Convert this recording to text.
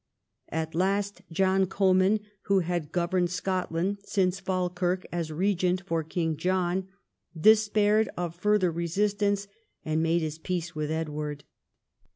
At last John Comyn, Avho had governed Scotland since Falkirk as regent for King John, despaired of further resistance and made his peace with Edward.